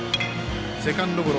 セカンドゴロ。